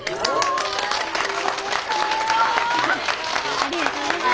ありがとうございます。